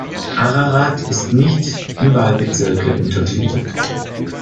Ararat ist nicht in Wahlbezirke untergliedert.